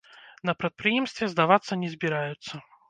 На прадпрыемстве здавацца не збіраюцца.